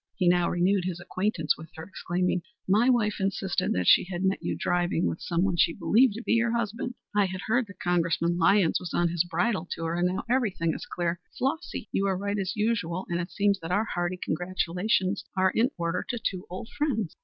He now renewed his acquaintance with her, exclaiming "My wife insisted that she had met you driving with some one she believed to be your husband. I had heard that Congressman Lyons was on his bridal tour, and now everything is clear. Flossy, you were right as usual, and it seems that our hearty congratulations are in order to two old friends."